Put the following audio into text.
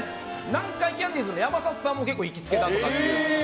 南海キャンディーズの山里さんも結構行きつけだっていう。